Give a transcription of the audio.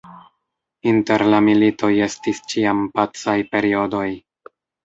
Inter la militoj estis ĉiam pacaj periodoj.